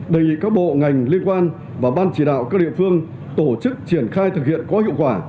đề nghị các bộ ngành liên quan và ban chỉ đạo các địa phương tổ chức triển khai thực hiện có hiệu quả